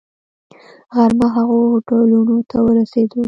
غرمه هغو هوټلونو ته ورسېدو.